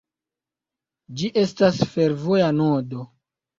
Ĝi estas fervoja nodo.